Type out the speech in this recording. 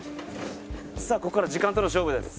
さあここから時間との勝負です。